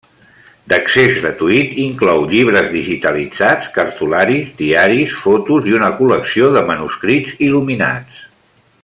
D'accés gratuït, inclou llibres digitalitzats, cartularis, diaris, fotos i una col·lecció de manuscrits il·luminats.